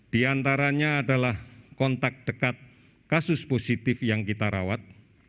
di antaranya adalah kontak dekat kasus positif yang kita rawat